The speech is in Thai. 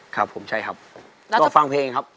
ครับผมใช่ครับก็ฟังเพลงครับ